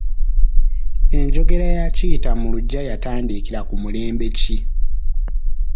Enjogera ya kiyita mu luggya yatandikira ku mulembe ki?